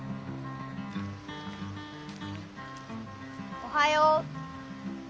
おはよう！